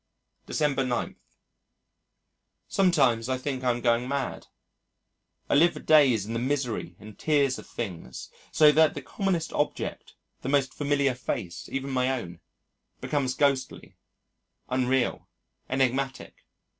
December 9. Sometimes I think I am going mad. I live for days in the mystery and tears of things so that the commonest object, the most familiar face even my own become ghostly, unreal, enigmatic.